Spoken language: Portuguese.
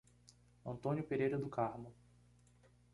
Antônio Pereira do Carmo